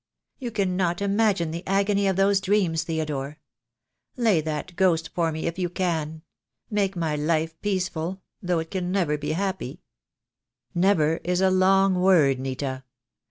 You cannot imagine the agony of those dreams, Theodore. Lay that ghost for me, if you can. Make my life peace ful, though it can never be happy." "Never is a long word, Nita.